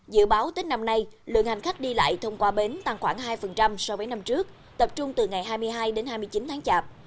dự báo tết năm nay lượng hành khách đi lại thông qua bến tăng khoảng hai so với năm trước tập trung từ ngày hai mươi hai đến hai mươi chín tháng chạp